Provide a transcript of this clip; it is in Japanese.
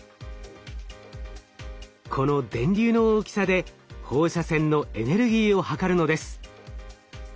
この電流の大きさで放射線のエネルギーを測るのです。